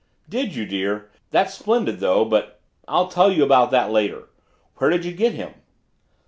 "Did you, dear? That's splendid, though but I'll tell you about that later. Where did you get him?"